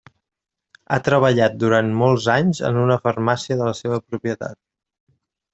Ha treballat durant molts anys en una farmàcia de la seva propietat.